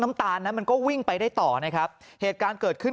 ตาลนั้นมันก็วิ่งไปได้ต่อนะครับเหตุการณ์เกิดขึ้น